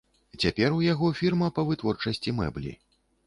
Цяпер у яго фірма па вытворчасці мэблі.